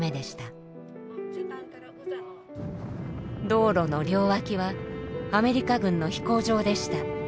道路の両脇はアメリカ軍の飛行場でした。